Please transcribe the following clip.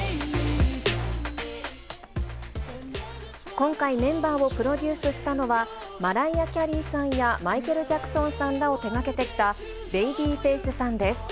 今回、メンバーをプロデュースしたのは、マライア・キャリーさんやマイケル・ジャクソンさんらを手がけてきたベイビーフェイスさんです。